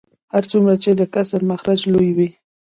هر څومره چې د کسر مخرج لوی وي